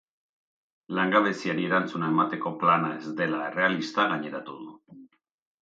Langabeziari erantzuna emateko plana ez dela errealista gaineratu du.